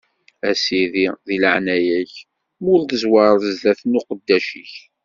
A sidi, di leɛnaya-k, ma ur tezwareḍ zdat n uqeddac-ik.